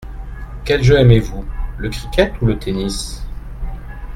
Quel jeu aimez-vous, le cricket ou le tennis ?